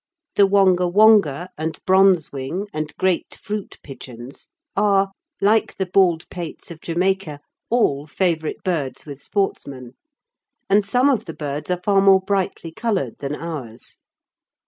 The wonga wonga and bronze wing and great fruit pigeons are, like the "bald pates" of Jamaica, all favourite birds with sportsmen, and some of the birds are far more brightly coloured than ours.